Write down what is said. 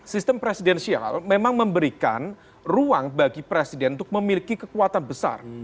sistem presidensial memang memberikan ruang bagi presiden untuk memiliki kekuatan besar